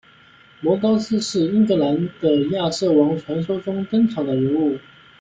摩高斯是英格兰的亚瑟王传说中登场的人物。